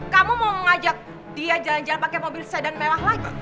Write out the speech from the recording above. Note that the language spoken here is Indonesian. kamu mau mengajak dia jalan jalan pakai mobil sedan mewah lagi